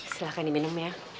silahkan diminum ya